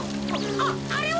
あっあれは！？